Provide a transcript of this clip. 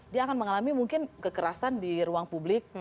dia akan mengalami mungkin kekerasan di ruang publik